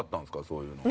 そういうの。